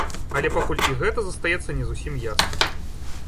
Але пакуль і гэта застаецца не зусім ясным.